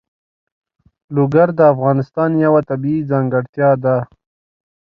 لوگر د افغانستان یوه طبیعي ځانګړتیا ده.